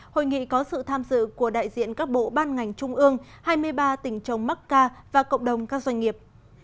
hội nghị có sự tham dự của đại diện các bộ ban ngành trung ương hai mươi ba tỉnh trồng mắc ca và cộng đồng các doanh nghiệp